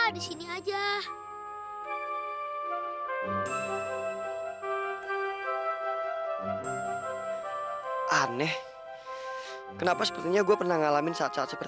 dee pasti si candy marah besar nih dee